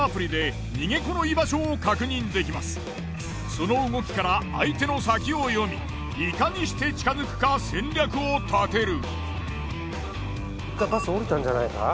その動きから相手の先を読みいかにして近づくか戦略を立てる。